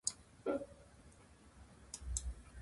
ブルータスお前もか